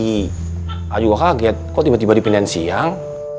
a'a juga kaget kok tiba tiba dipilih siang